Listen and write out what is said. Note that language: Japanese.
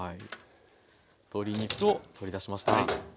鶏肉を取り出しました。